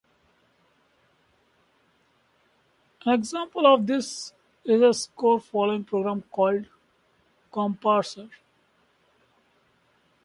An example of this is a score-following program called "ComParser".